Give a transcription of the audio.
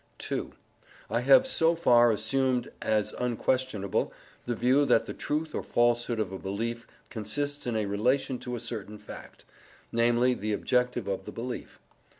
II. I have so far assumed as unquestionable the view that the truth or falsehood of a belief consists in a relation to a certain fact, namely the objective of the belief.